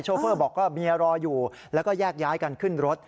เฟอร์บอกว่าเมียรออยู่แล้วก็แยกย้ายกันขึ้นรถ